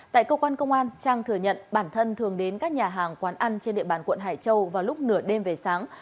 tại cơ quan công an trang thừa nhận bản thân thường đến các nhà hàng quán ăn trên địa bàn quận hải châu vào lúc nửa đêm về sáng